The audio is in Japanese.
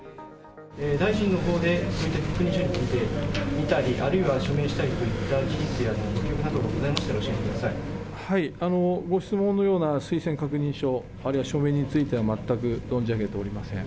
大臣のほうで、そういった確認書について見たり、あるいは署名したりといった事実やご記憶などございましたら教えご質問のような推薦確認書、あるいは署名については全く存じ上げておりません。